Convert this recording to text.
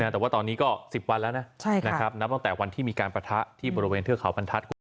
แต่ว่าตอนนี้ก็๑๐วันแล้วนะนับตั้งแต่วันที่มีการปะทะที่บริเวณเทือกเขาบรรทัศน์